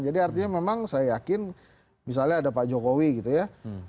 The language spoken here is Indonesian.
jadi artinya memang saya yakin misalnya ada pak jokowi gitu ya